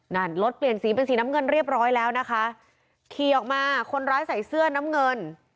นั่นรถเปลี่ยนสีเป็นสีน้ำเงินเรียบร้อยแล้วนะคะขี่ออกมาคนร้ายใส่เสื้อน้ำเงิน